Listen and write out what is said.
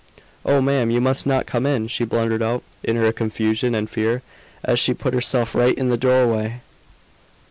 "Oh, ma'am, you must not come in!" she blundered out, in her confusion and fear, as she put herself right in the doorway.